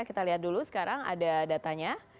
kita lihat dulu sekarang ada datanya